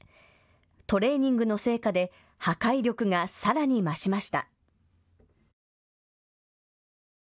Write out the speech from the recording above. トレーニングの成果で破壊力がさらに増しました。